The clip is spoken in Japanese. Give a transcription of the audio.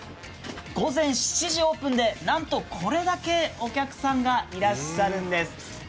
午前７時オープンでなんとこれだけのお客さんがいらっしゃるんです。